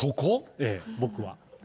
ええ、僕は。